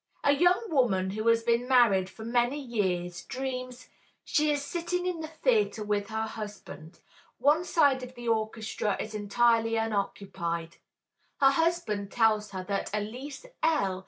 A young woman who has been married for many years dreams: "_She is sitting in the theatre with her husband; one side of the orchestra is entirely unoccupied. Her husband tells her that Elise L.